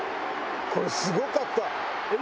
これすごかった。